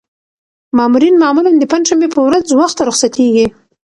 مامورین معمولاً د پنجشنبې په ورځ وخته رخصتېږي.